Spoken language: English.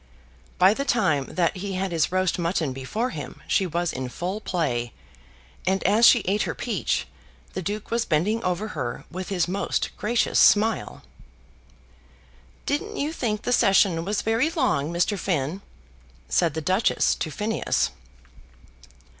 By the time that he had his roast mutton before him she was in full play, and as she eat her peach, the Duke was bending over her with his most gracious smile. "Didn't you think the session was very long, Mr. Finn?" said the Duchess to Phineas.